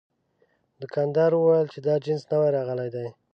دوکاندار وویل چې دا جنس نوي راغلي دي.